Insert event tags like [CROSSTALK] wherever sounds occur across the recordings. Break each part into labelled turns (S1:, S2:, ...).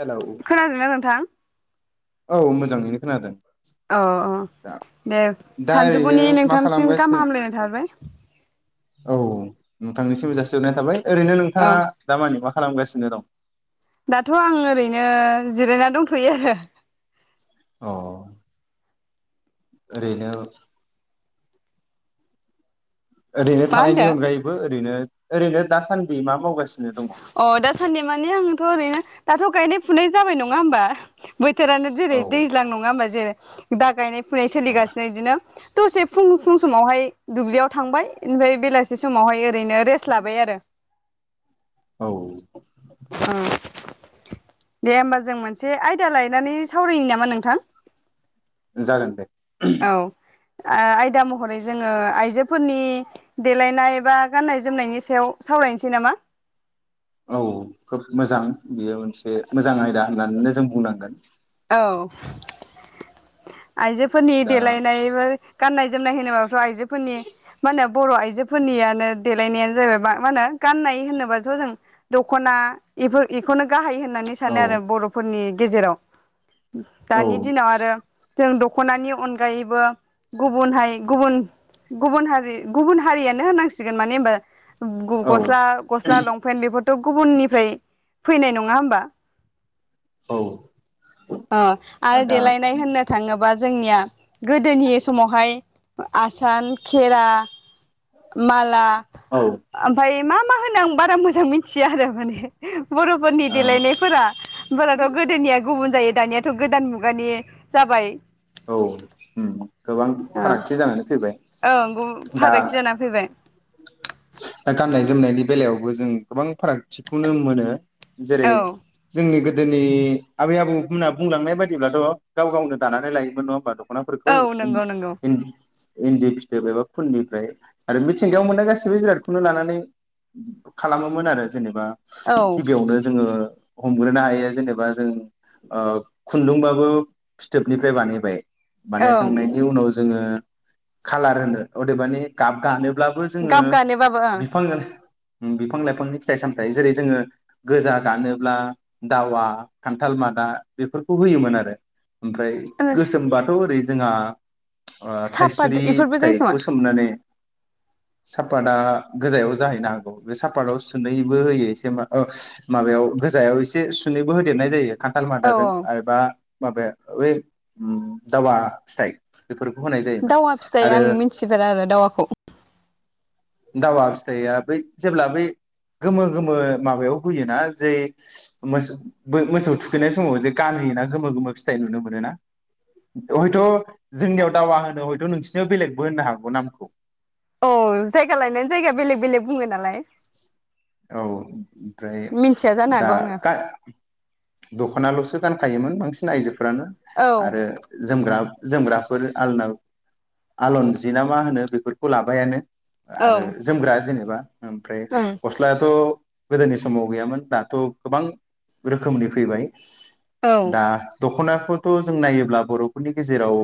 S1: Hello
S2: खोनादोंना नोंथां?
S1: औ मोजाङैनो खोनादों।
S2: अ अ
S1: दा
S2: दे
S1: दा ओरैनो
S2: सानजफुनि
S1: मा
S2: नोंथांनिसिम
S1: खालामगासिनो
S2: गाहाम हामलायनाय थाबाय।
S1: औ नोंथांनिसिमबो जासिहरनाय थाबाय। ओरैनो
S2: औ
S1: नोंथाङा दा मानि मा खालामगासिनो दं?
S2: दाथ' आं ओरैनो जिरायना दंथ'यो आरो।
S1: अ ओरैनो ओरैनो
S2: मा
S1: थानायनि
S2: होनदों
S1: अनगायैबो ओरैनो ओरैनो दासान्दि मा मावगासिनो दङ
S2: अ दासान्दि माने आंथ' ओरैनो दाथ' गायनाय फुनाय जाबाय नङा होमबा? बोथोरानो जेरै
S1: औ
S2: दैज्लां नङा होमबा जेरै दा गायनाय फुनाय
S1: औ
S2: सोलिगासिनो इदिनो। दसे फुं फुं समावहाय दुब्लियाव थांबाय ओमफ्राय बेलासि समावहाय ओरैनो रेस्ट लाबाय आरो।
S1: औ
S2: दे होमबा जों मोनसे आयदा लायनानै सावरायनि नामा नोंथां?
S1: जागोन दे।
S2: औ ओ आयदा महरै जोङो आइजोफोरनि देलायनाय बा गाननाय जोमनायनि सायाव सावरायनोसै नामा?
S1: औ खोब मोजां बेयो मोनसे मोजां आयदा होननानै जों बुंनांगोन।
S2: औ आइजोफोरनि
S1: दा
S2: देलायनायबो गाननाय जोमनाय होनोबाबोथ' आइजोफोरनि मा होनो बर' आइजोफोरनियानो देलायनायानो जाबाय मा होनो गाननाय होनोबाथ' जों दखना इफोर इखौनो गाहाय होन होननानै
S1: औ
S2: सानो आरो बर'फोरनि गेजेराव
S1: औ
S2: दानि दिनाव आरो जों दख ख'नानि अनगायैबो गुबुन हारि गुबुन गुबुन हारि गुबुन हारियानो होनांसिगोन माने ओनबा [UNINTELLIGIBLE]
S1: औ
S2: गस्ला गस्ला लंपेन्ट बेफोर त गुबुननिफ्राय फैनाय नङा होमबा
S1: औ
S2: अ आरो
S1: दा
S2: देलायनाय होननो थाङोबा जोंनिया गोद दोनि समावहाय आसान खेरा माला
S1: औ
S2: ओमफाय मा मा होनो आं बारा मोजां मिथिया आरो माने बर'फोरनि
S1: ओ
S2: देलायनायफोरा बाराथ' गोदोनिया बुंजायो दानियाथ' गोदान मुगानि जाबाय
S1: औ ओम गोबां फारागथि जानानै फैबाय
S2: औ गु
S1: दा
S2: फारागथि जानानै फैबाय
S1: दा गाननाय जोमनायनि बेलायावबो जों गोबां फारागथिखौनो मोनो। जेरै
S2: औ
S1: जोंनि गोद जोंनि आबै आबौमोनहा बुंलांनाय बायदिब्लाथ' गाव गावनो दानानै लायो। नङा होमबा द खनाफोरखौ
S2: औ
S1: इन
S2: नंगौ नंगौ
S1: इन इन्दि फिथोब एबा खुननिफ्राय आरो मिथिंगायाव मोननाय गासैबो जिरादखौनो लानानै खालामोमोन आरो। जेनेबा
S2: औ
S1: गिबियावनो जोङो हमग्रोनो हायो जेनेबा जों ओ खुन्दुंबाबो फिथोबनिफ्राय बानाय बे
S2: औ
S1: बानायखांनायनि उनाव जोङो खालार होनो अदेबानि गाब गानो ब्लाबो जोङो
S2: गाब गानोबाबो
S1: बिफां उम बिफां लाइफांनि फिथाइ सामथाइ जेरै जोङो गोजा दानोब्ला दावा खान्थाल मादा बेफोरखौ होयोमोन आरो ओमफ्राय
S2: ओं
S1: गोसोमबाथ' ओरै जोङा अ
S2: सापात
S1: थाइस्रि
S2: बेफोरबो जायो खोमा
S1: फिथाइखौ सोमनानै सापादा गोजायाव जाहैनो हागौ बे सापातआव सुनैबो होयो एसे ओ माबायाव गोजायाव एसे सुनैबो होदेरनाय जायो। खान्थाल
S2: औ
S1: मादाजों आरोबा माबाया ओइ उम दावा फिथाइ। बेफोरखौ होनाय जायोमोन
S2: दावा फिथाइ
S1: आरो
S2: आं मिन्थिफेरा आरो दावाखौ।
S1: दावा फिथाइया बै जेब्ला बै गोमो गोमो माबायाव होयोना जे मोसो मोसौ थुखैनाय समाव जे गानहोयोना गोमो गोमो फिथाइ नुनो मोनो ना हयथ' जोंनियाव दावा होनो हयथ' नोंसिनियाव बेलेगबो होननो हागौ नामखौ।
S2: औ जायगा लायनानै जायगा बेलेग बेलेग बुङो नालाय।
S1: औ ओमफ्राय
S2: मिथिया जानो
S1: दा
S2: हागौ आङो
S1: ता दख'नाल'सो गानखायोमोन बांसिन आइजो फोरानो
S2: औ
S1: आरो जोमग्रा जोमग्राफोर आलना आलनजि ना मा होनो? बेफोरखौ लाबायानो। आरो
S2: औ
S1: जोमग्रा जेनेबा
S2: ओं
S1: ओमफ्राय त' गोदोनि समाव गैयामोन दाथ' गोबां रोखोमनि फैबाय।
S2: औ
S1: दा दखना खौथ' जों नायोब्ला बर'फोरनि गेजेराव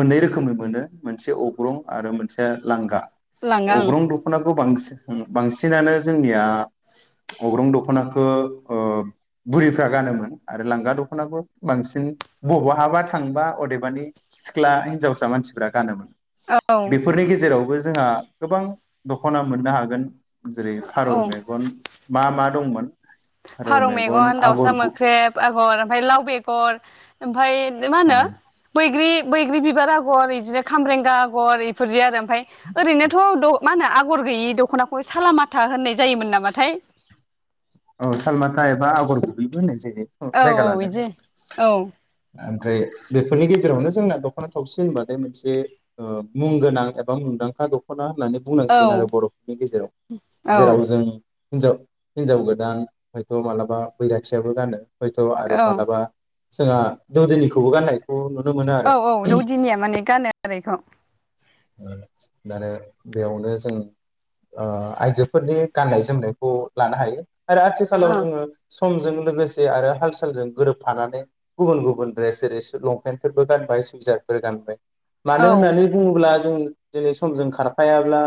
S1: मोननै रोखोमै मोनो। मोनसे अग्रं आरो मोनसे लांगा।
S2: लाङा
S1: अग्रं
S2: आं
S1: दखना खौ बांस-ओं बांसिनानो जोंनिया अग्रं दख'नाखो ओ बुरैफ्रा गानोमोन आरो लांगा दख'नाखौ बांसिन ब-बहाबा थांबा अदेबानि सिख्ला हिनजावसा मानसिफ्रा गानोमोन।
S2: औ
S1: बेफोरनि गेजेरावबो जोंहा गोबां दख'ना मोननो हागोन। फारौ
S2: औ
S1: मेगन मा मा दंमोन?
S2: फारौ मेगन, दाउसा मोख्रेब आगर ओमफाय लाव बेगर ओमफाय मा होनो बैग्रि बैग्रि बिबार आगर इदिनो खामब्रेंगा आगर इफोरदि आरो [UNINTELLIGIBLE] ओरैनोथ' द' मा होनो आगर गैयि दख'नाखौ सालामाथा होननाय जायोमोन नामाथाय?
S1: औ सालमाथा एबा आगर गुबैबो होननाय जायो।
S2: औ
S1: जायगा
S2: औ
S1: लानाय
S2: इदि औ।
S1: जायगा ओमफ्राय बेफोरनि गेजेरावनो जोंना दख'ना थावसि होनबाथाय मोनसे ओ मुं गोनां एबा मुंदांखा दख'ना होननानै बुंनांसिगोन आरो बर'फोरनि गेजेराव
S2: औ
S1: जेराव जों हिनजाव हिनजाव गो दान हयथ' मालाबा बैराथियाबो गानो। हयथ' आरो
S2: औ
S1: मालाबा जोंहा दौदोनिखौबो गाननायखौ नु
S2: औ औ दौदिनिया माने गानो आरो इखौ
S1: आरो बेयावनो जों ओ आइजोफोरनि गाननाय जोमनायखौ लानो हायो। आरो आथिखालाव
S2: औ
S1: जोङो समजों लोगोसे आरो हाल सालजों गोरोबफानानै गुबुन गुबुन ड्रेस जेरै सो लंपेन्टफोरबो गानबाय सुइजारफोर गानबाय। मानो
S2: औ
S1: होननानै बुङोब्ला जों दिनै सम जों खारफायाब्ला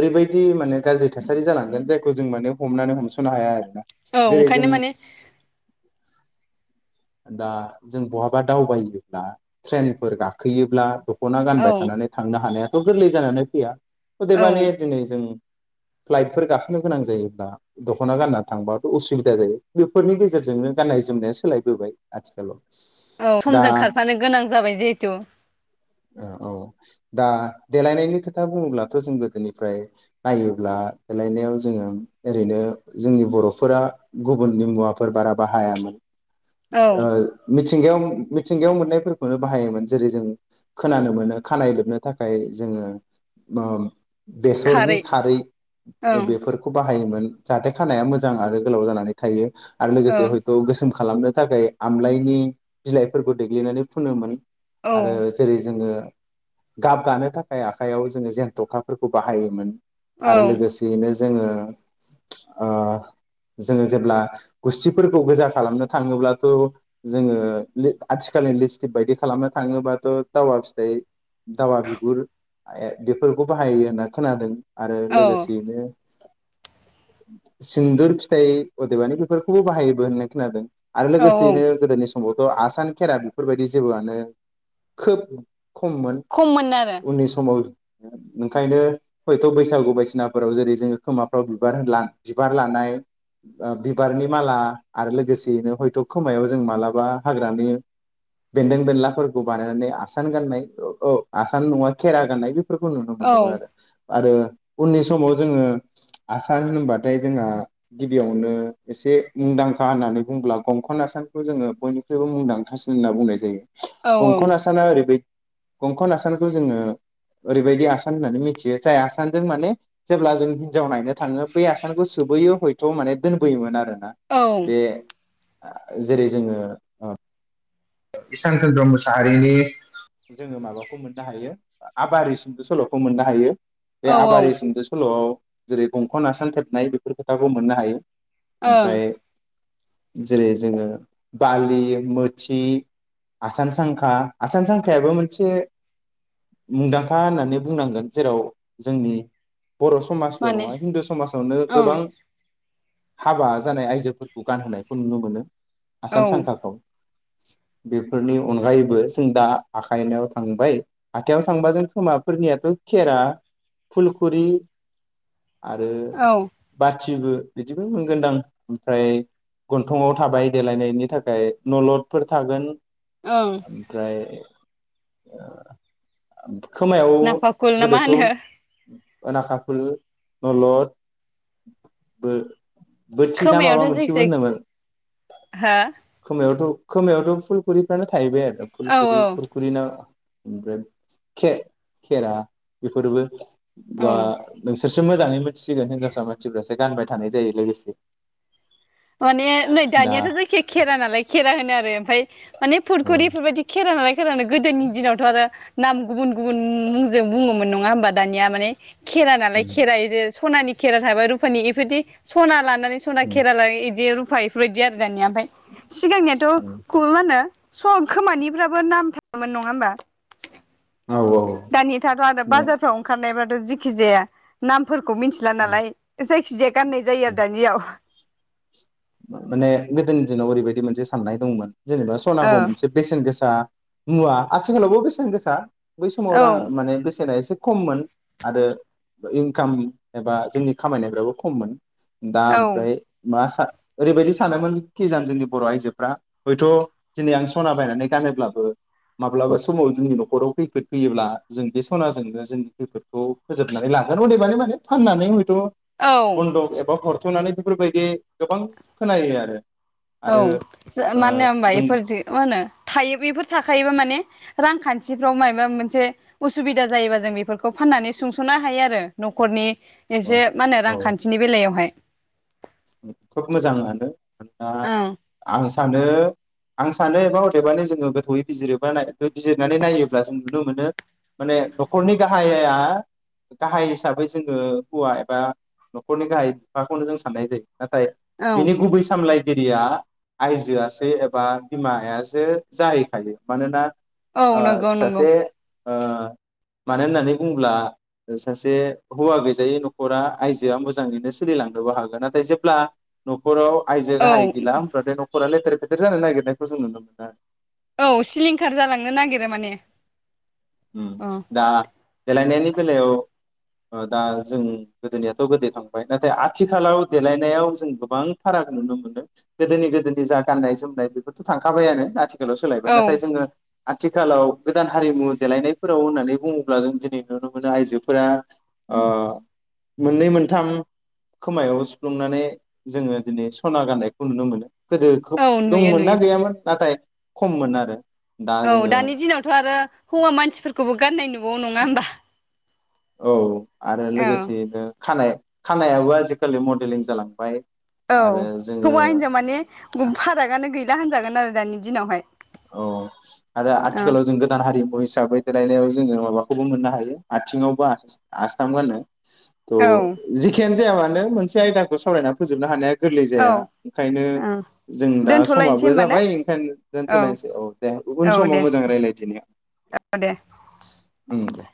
S1: ओरैबायदि माने गाज्रि थासारि जालांगोन जायखौ जों माने हमनानै हमस नो हाया आरोना।
S2: औ
S1: जेरै जों
S2: ओंखायनो माने
S1: दा जों बहाबा दावबायोब्ला ट्रेनफोर गाखोयोब्ला दखना
S2: औ
S1: गानबाय थानानै थांनो हानाया थ' गोरलै जानानै फैया
S2: औ
S1: अदेबानि दिनै जों फ्लाइटफोर गाखोनो गोनां जायोब्ला दख'ना गानना थांबाथ' उसुबिदा जायो बेफोरनि गेजेरजोंनो गान्नाय जोमनाया सोलायबोबाय आथिखालाव
S2: औ
S1: दा
S2: समजों खारफानो गोनां जाबाय जिहेथु
S1: औ औ दा देलायनायनि खोथा बुङोब्लाथ' जों गोदोनिफ्राय नायोब्ला देलायनायाव जोङो ओरैनो जोंनि बर'फोरा गुबुननि मुवाफोर बारा बाहायामोन
S2: औ
S1: ओ मिथिंगायाव मिथिंगायाव मोननायफोरखौनो बाहायोमोन जेरै जों खोनानो मोनो खानाय लोबनो थाखाय जोङो बेसरनि खारै
S2: औ
S1: बेफोरखौ बाहायोमोन जाहाथे खानाया मोजां आरो गोलाव जानानै थायो आरो लोगोसे हयथ' गोसोम खालामनो थाखाय आमलायनि बिलाइफोरखौ देग्लिनानै फुनोमोन
S2: औ
S1: आरो जेरै जोङो गाब गानो थाखाय आखायाव जोङो जेनथ'खाफोरखौ बाहायोमोन आरो लोगोसेयैनो जोङो जोङो जेब्ला गुस्थिफोरखौ गोजा खालामनो थाखाय थाङोब्लाथ' जोङो आथिखालनि लिपस्टिप बायदि खालामनो थाङोब्लाथ' दावा फिथाइ दावा बिगुर बेफोरखौ बाहायो होनना खोनादों आरो
S2: औ
S1: लोगोसेयैनो सिन्दुर फिथाइ अदेबानि बेफोरखौबो बाहायोबो होननानै खोनादों आरो
S2: औ औ
S1: लोगोसेयैनो गोदोनि सम समावथ' आसान खेरा बेफोरबायदि जेबोआनो खोब खममोन
S2: खममोन आरो
S1: उननि समाव ओंखायनो हयथ' बैसागु बायदिसिनाफोराव जेरै जोङो खोमाफ्राव बिबार ला बिबार लानाय ओ बिबारनि माला आरो लोगोसे नो हयथ' खोमायाव जों मालाबा हाग्रानि बेन्दों बेनलाफोरखौ बानायनानै आसान गाननाय औ आसान नङा खेरा गनाय बे बेफोरखौ नुनो
S2: औ
S1: मोनदोंमोन आरो आरो उननि समाव जोङो आसान होनबाथाय जोंहा गिबियावनो एसे मुंदांखा होननानै बुंब्ला गंखन नासानखौ जोङो बयनिख्रुइबो मुंदांखासिन होनना बुंनाय जायो
S2: औ
S1: गंखन आसाना ओरैबाय गंखन आसानखौ जोङो ओरैबायदि आसान होननानै मिथियो जाय आसानजों माने जेब्ला जों हिनजाव नायनो थाङो बे आसानखौ सोबोयो हय थ' माने दोनबोयोमोन आरो ना बे आ जेरै जोङो ओ इसान चन्द्र मुसाहारिनि जोङो माबाखौ मोननो हायो आबारि सुंद' सल'खौ मोननो हायो बे
S2: औ
S1: आबारि
S2: औ
S1: सुंद सल'आव जेरै गंखन आसान थेबनाय बेफोर खोथाखौ मोननो हायो
S2: ओं
S1: ओमफ्राय जेरै जोङो बालि मोथि आसानसांखा आसानसांखायाबो मोनसे मुंदांखा होननानै बुंनांगोन जेराव जोंनि बर' समाजल'
S2: माने
S1: नङा हिन्दु समाजावनो
S2: ओं
S1: गोबां हाबा जानाय आइजोफोरखौ गानहोनाय खौ नुनो मोनो
S2: औ
S1: आसान सांखाखौ बेफोरनि अनगायैबो जों दा आखाइयाव थांबाय आखाइयाव थांबा जों खोमाफोरनियाथ' खेरा फुलखुरि आरो
S2: औ
S1: बा थिबो बिदिबो मोनगोनदां ओमफ्राय गन्थंआव थाबाय देलायनायनि थाखाय नलदफोर थागोन
S2: ओं
S1: ओमफ्राय [INAUDIBLE] खोमायाव
S2: नाफाखुल ना मा
S1: गोदोथ'
S2: होनो
S1: ओ नाखाफुल नलद बो बोथि ना माबा मोनसेबो होनोमोन
S2: हो
S1: खोमायावथ' खोमायावथ' फुखुरिफ्रानो थाहैबाय आरो
S2: हो औ
S1: फलखुरि खुरखुरि ना ओमफ्राय खे-खेरा बेफोरबो जा
S2: औ
S1: नोंसो लसो मोजाङै मोन थिसिगोन हनजावसा मानसिफ्रासो गानबाय थानाय जायो लोगोसे
S2: माने नै
S1: दा
S2: दानियाथ' जायखिया खेरा नालाय खेरा होनो आरो ओमफ्राय माने फुरखुरिफोरबायदि खेरा नालाय सोरानो गोदोनि दिनावथ' आरो नाम गुबुन गुबुन मुंजों बुङोमोन नङा होमबा दानिया माने खेरा नालाय खेरा इदि सनानि खेरा थाबाय रुपानि इफोरदि सना लाना नानै सना खेरा लायो बिदि रुफा इफोरबायदि आरो [UNINTELLIGIBLE] आमफ्राय सिगांनियाथ' ख मा होनो स खोमानिफ्राबो नाम थायोमोन नङा होमबा
S1: औ
S2: दानिथाथ' आरो
S1: ने
S2: बाजारफ्राव ओंखारनायबथ' जि खि जाया नामफोर खौ मिथिला नालाय जाय [UNINTELLIGIBLE] गाननाय जायो आरो दानियाव
S1: माने गोदोनि दिनाव ओरैबायदि मोनसे साननाय दंमोन। जेनेबा
S2: औ
S1: सनाखौ मोनसे बेसेन गोसा मुवा आथिखालावबो बेसेन गोसा बै समाव रां
S2: औ
S1: माने बसेना एसे खममोन आरो इनकाम एबा जोंनि खामायनायफ्राबो खममोन। दा
S2: औ
S1: ओमफ्राय मास ओरैबायदि सानोमोनखिजान जोंनि बर आइजोफ्रा हयथ दिनै आं सना बायनानै गानब्लाबो माब्लाबा समाव जोंनि नखराव खैफोद फैयोब्ला जों बे सनाजोंनो जोंनि खैफोदखौ फोजोबनानै लागोन अदेबानि माने फाननानै थ
S2: औ
S1: बन्दख एबा हर थनानै बेफोरबायदि गोबां खोनायो आरो।
S2: औ
S1: आरो
S2: जो
S1: ओ
S2: मानो होमबा
S1: जों
S2: एफोर जो मा होनो थायो बेफोर थाखायोबा माने रांखान्थिफ्राव मायबा मोनसे उसुबिदा जायोबा जों बेफोरखौ फाननानै सुंसनो हायो आरो नखरनि
S1: औ
S2: एसे मा होनो
S1: औ
S2: रांखान्थिनि बेलायावहाय।
S1: खोब मोजांआनो दा
S2: औ
S1: आं सानो आं सानो एबा अदेबानि जोङो गोथौयै बिजिरोबा बिजिरनानै नायोब्ला जों नुनो मोनो माने नखरनि गाहाया गाहाय हिसाबै जोङो हौवा एबा नखरनि गाहाय बिफाखौनो जों साननाय जायो। नाथाय
S2: औ
S1: बिनि गुबै सामलायगि रिया आयजोआसो एबा बिमायासो जाहैखायो मानोना
S2: औ
S1: ओ
S2: नंगौ नंगौ।
S1: सासे ओ मानो होननानै बुङोब्ला सासे हौवा गैजायै नखरा आइजोआ मोजाङैनो सोलिलांनोबो हागोन नाथाय जे ब्ला नखराव आइजो
S2: औ
S1: गाहाय गैला होमबाथाय नखरा गेदेर फेथ गेदेर जानो नागिरनायखौ जों नुनो मोनो।
S2: औ सिलिंखार जालांनो नागिरो माने।
S1: उम
S2: अ
S1: दा देलायनायनि बेलायाव ओ दा जों गोदोनियाथ गोदो थांबाय नाथाय आथिखालाव देलायनायाव जों गोबां फाराग नुनो मोनो गोदोनि गोदोनि जा गाननाय जोमनाय बेफोरथ थांखाबायानो आथि ल सोलायबाय
S2: औ
S1: नाथाय जोङो आथिखालाव गोदान हारिमु देलायनायफोराव होननानै बुङोब्ला जों दिनै नुनो मोनो आइजोफोरा ओ मोननै मोनथाम खोमायाव सुफ्लुंनानै जोङो दिनै सना गाननायखौ नुनो मोनो। गोदो खोब
S2: औ नुयो
S1: दंमोन ना
S2: नुयो
S1: गैयामोन नाथाय खममोन आरो। दा
S2: औ
S1: जोङो
S2: दानि दिनावथ आरो हौवा मानसिफोर खौबो गाननाय नु न'आव नङा होमबा?
S1: औ। आरो
S2: औ
S1: लोगोसेयैनो खानाय खानायाबो आजिखालि मडेलिं जालांबाय।
S2: औ
S1: आरो जोङो
S2: हौवा हिनजाव माने फारागानो गैल ला होनजागोन आरो दानि दिनावहाय।
S1: औ आरो
S2: औ
S1: आथिखालाव जों गोदान हारिमु हिसाबै देलायनायाव जोङो माबाखौबो मोननो हायो आथिङावबो आस आस्थाम गानो।
S2: औ
S1: औ-औ जेखियानो जाया मा नों मोनसे आयदाखौ सावरायनानै फोजोबनो हानाया गोरलै जाया
S2: औ
S1: ओंखायनो
S2: औ
S1: जों दा
S2: दोनथ'लायनोसै
S1: समाबो
S2: होमबा ना
S1: जाबाय ओंखायनो थोलायनोसै औ दे
S2: औ
S1: गुबुन समाव
S2: दे
S1: मोजां
S2: दे
S1: रायलायदिनि दे
S2: औ दे
S1: ओम दे।